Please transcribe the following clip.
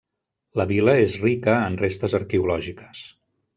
La vila és rica en restes arqueològiques.